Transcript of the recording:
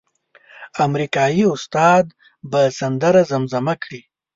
امریکایي استاد به سندره زمزمه کړي.